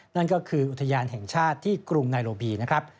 นั่นก็คืออุทยานแห่งชาติที่กรุงไนโลบีนะครับ